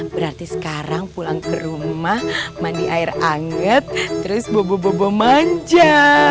berarti sekarang pulang ke rumah mandi air anget terus bobo bobo manja